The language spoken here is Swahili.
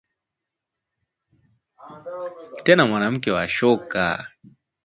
Tena mwanamke wa shoka